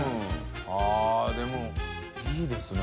◆舛でもいいですね